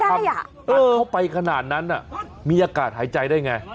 ตัดเข้าไปขนาดนั้นมีอากาศหายใจได้ไง